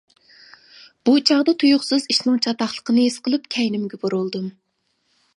بۇ چاغدا تۇيۇقسىز ئىشنىڭ چاتاقلىقىنى ھېس قىلىپ كەينىمگە بۇرۇلدۇم.